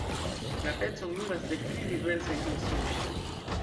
La pecon ludas dek tri diversaj instrumentoj.